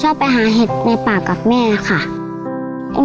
ชอบไปหาเห็ดในป่ากับแม่ค่ะ